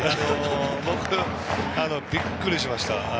僕、びっくりしました。